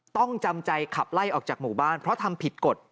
จำใจขับไล่ออกจากหมู่บ้านเพราะทำผิดกฎ